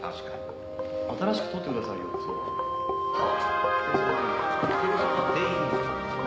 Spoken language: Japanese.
新しく取ってくださいよそば。